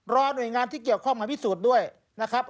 หน่วยงานที่เกี่ยวข้องมาพิสูจน์ด้วยนะครับ